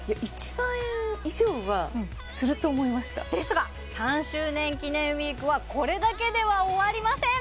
１万円以上はすると思いましたですが３周年記念ウイークはこれだけでは終わりません